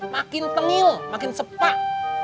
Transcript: makin tengil makin sepak